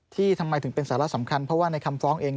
ทำไมถึงเป็นสาระสำคัญเพราะว่าในคำฟ้องเอง